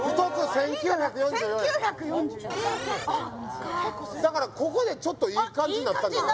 １９４４円あっ結構するんだだからここでちょっといい感じになったんじゃない？